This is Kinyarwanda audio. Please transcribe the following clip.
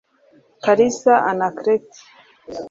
Kalisa Anaclet